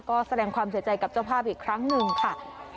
ก็แสดงความเสียใจกับเจ้าภาพอีกครั้งหนึ่งค่ะ